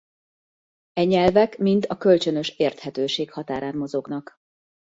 E nyelvek mind a kölcsönös érthetőség határán mozognak.